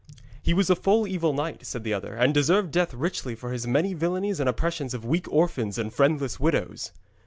'He was a full evil knight,' said the other, 'and deserved death richly for his many villainies and oppressions of weak orphans and friendless widows.'